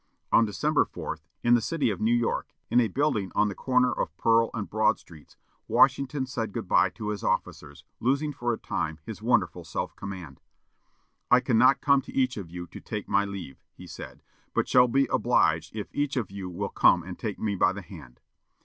On December 4, in the city of New York, in a building on the corner of Pearl and Broad Streets, Washington said good bye to his officers, losing for a time his wonderful self command. "I cannot come to each of you to take my leave," he said, "but shall be obliged if each of you will come and take me by the hand."